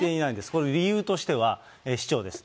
これ、理由としては、市長です。